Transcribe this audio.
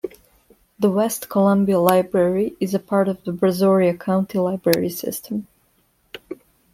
The West Columbia Library is a part of the Brazoria County Library System.